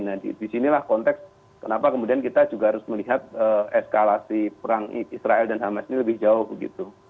nah disinilah konteks kenapa kemudian kita juga harus melihat eskalasi perang israel dan hamas ini lebih jauh begitu